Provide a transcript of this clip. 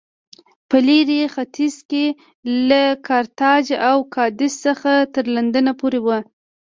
په لېرې ختیځ کې له کارتاج او کادېس څخه تر لندنه پورې و